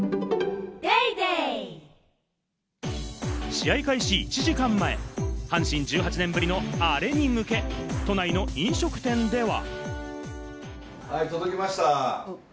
試合開始１時間前、阪神１８年ぶりのアレに向け、都内の飲食店では。